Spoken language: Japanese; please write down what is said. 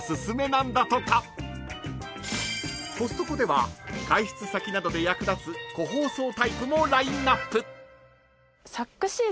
［コストコでは外出先などで役立つ個包装タイプもラインアップ］